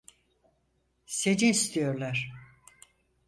Seni istiyorlar.